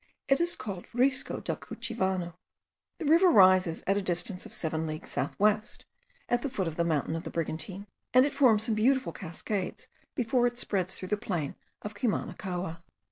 It is called Risco del Cuchivano. The river rises at the distance of seven leagues south west, at the foot of the mountain of the Brigantine, and it forms some beautiful cascades before it spreads through the plain of Cumanacoa.